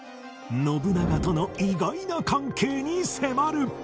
信長との意外な関係に迫る！